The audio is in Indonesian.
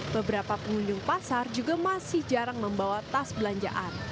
beberapa pengunjung pasar juga masih jarang membawa tas belanjaan